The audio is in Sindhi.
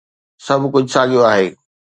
سڀ ڪجهه ساڳيو آهي